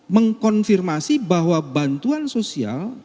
mengkonfirmasi bahwa bantuan sosial